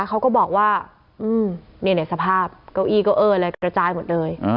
เขาก็บอกว่าอืมเนี่ยไหนสภาพเก้าอี้ก็เออเลยกระจายหมดเลย